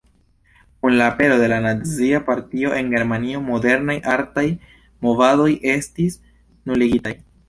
Kun la apero de la Nazia Partio en Germanio, modernaj artaj movadoj estis nuligitaj.